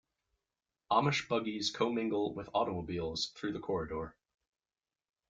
Amish buggies co-mingle with automobiles through the corridor.